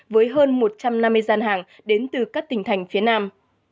với hơn một trăm năm mươi gian hàng đến từ các tỉnh thành phía nam